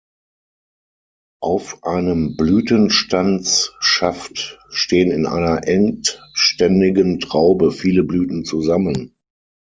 Auf einem Blütenstandsschaft stehen in einer endständigen Traube viele Blüten zusammen.